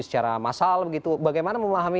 secara massal bagaimana memahami